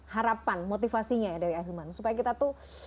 harapan motivasinya dari ailman supaya kita tuh